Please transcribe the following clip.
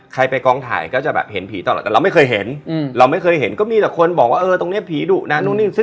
ต้องนอนอะพี่มันไม่มีที่อื่นอยู่